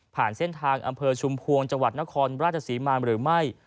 เส้นทางอำเภอชุมพวงจังหวัดนครราชศรีมาหรือไม่